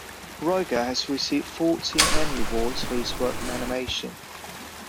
Ruegger has received fourteen Emmy Awards for his work in animation.